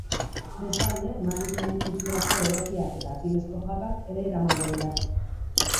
Bestalde, marinel itxurako berokiak eta artilezko jakak ere eramango dira.